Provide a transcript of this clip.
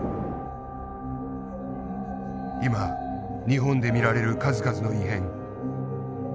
今日本で見られる数々の異変。